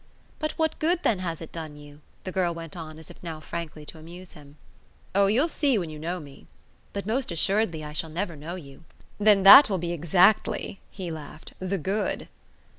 "But what good then has it done you?" the girl went on as if now frankly to amuse him. "Oh you'll see when you know me." "But most assuredly I shall never know you." "Then that will be exactly," he laughed, "the good!"